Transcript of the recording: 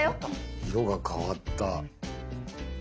色が変わった。